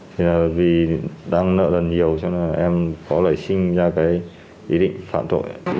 thì là vì đang nợ lần nhiều cho nên là em có lợi sinh ra cái ý định phạm tội